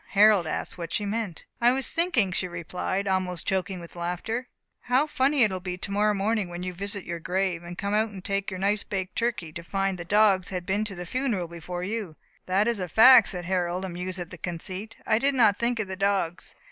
Harold asked what she meant. "I was thinking," she replied, almost choking with laughter, "how funny it will be tomorrow morning when you visit your grave, and come to take out your nice baked turkey, to find that the dogs had been to the funeral before you." "That is a fact," said Harold, amused at the conceit. "I did not think of the dogs.